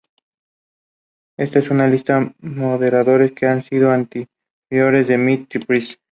Esta es una lista de moderadores que han sido anfitriones de "Meet the Press".